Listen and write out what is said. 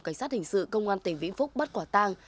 cảnh sát hình sự công an tỉnh vĩnh phúc bắt quả tang